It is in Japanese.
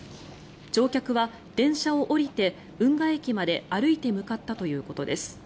乗客は電車を降りて、運河駅まで歩いて向かったということです。